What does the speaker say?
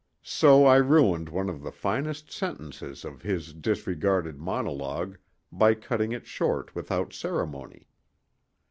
So I ruined one of the finest sentences of his disregarded monologue by cutting it short without ceremony.